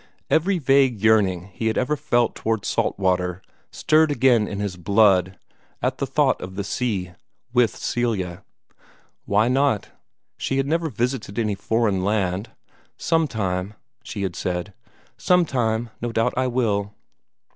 Every vague yearning he had ever felt toward salt water stirred again in his blood at the thought of the sea with Celia. Why not? She had never visited any foreign land. "Sometime," she had said, "sometime, no doubt I will."